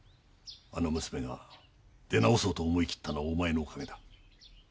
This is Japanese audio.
あの娘が出直そうと思い切ったのはお前のおかげだ。